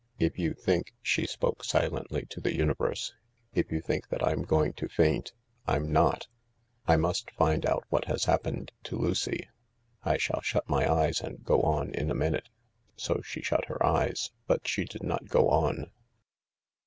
" If you think," she spoke silently to the universe, "if you think that I'm going to faint, I'm not. I must find out what has happened to Lucy. I shall shut my eyes and go on in a minute." So she shut her eyes. But she did not go on.